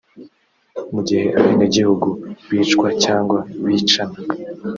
mu gihe abenegihugu bicwa cyangwa bicana